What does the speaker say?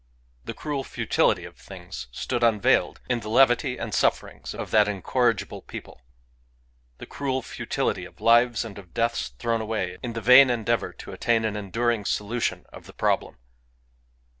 The cruel futility of things stood unveiled in the levity and sufferings of that incorrigible people; the cruel futility of lives and of deaths thrown away in the vain endeavour to attain an enduring solution of the problem.